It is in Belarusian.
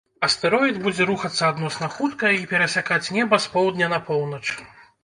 Астэроід будзе рухацца адносна хутка і перасякаць неба з поўдня на поўнач.